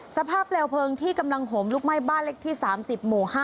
เปลวเพลิงที่กำลังห่มลุกไหม้บ้านเล็กที่๓๐หมู่๕